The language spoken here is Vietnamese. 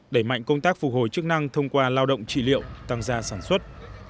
đẩy mạnh công tác phục hồi chức năng thông qua lao động trị liệu tăng gia sản xuất